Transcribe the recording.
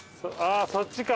あそっちか。